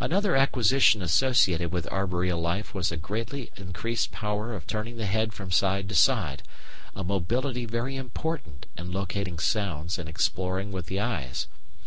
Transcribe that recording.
Another acquisition associated with arboreal life was a greatly increased power of turning the head from side to side a mobility very important in locating sounds and in exploring with the eyes.